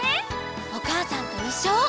「おかあさんといっしょ」を。